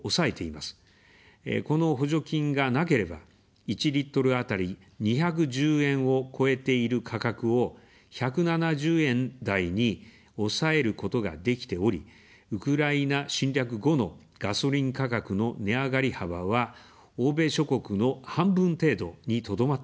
この補助金がなければ、１リットルあたり２１０円を超えている価格を、１７０円台に抑えることができており、ウクライナ侵略後のガソリン価格の値上がり幅は欧米諸国の半分程度にとどまっています。